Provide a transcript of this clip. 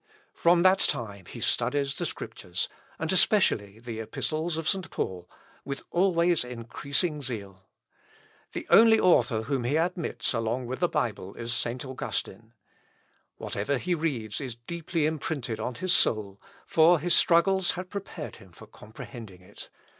From that time he studies the Scriptures, and especially the Epistles of St. Paul, with always increasing zeal. The only author whom he admits along with the Bible is St. Augustine. Whatever he reads is deeply imprinted on his soul, for his struggles had prepared him for comprehending it.